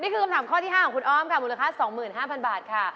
คำถามข้อที่๕ของคุณอ้อมค่ะมูลค่า๒๕๐๐บาทค่ะ